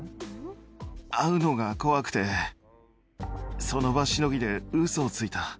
会うのが怖くて、その場しのぎでウソをついた。